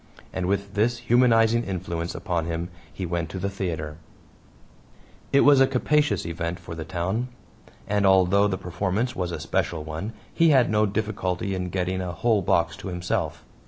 And with this humanizing influence upon him he went to the theater. It was capacious even for the town, and although the performance was a special one he had no difficulty in getting a whole box to himself.